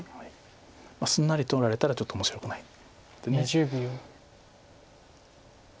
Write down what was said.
すんなり取られたらちょっと面白くないんで。